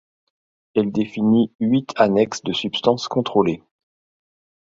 Elle définit huit annexes de substances contrôlées.